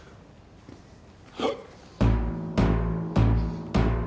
はっ！